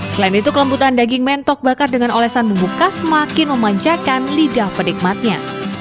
selain itu kelembutan daging mentok bakar dengan olesan bumbu khas semakin memanjakan lidah penikmatnya